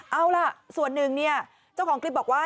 เอาล่ะส่วนหนึ่งเนี่ยเจ้าของคลิปบอกว่า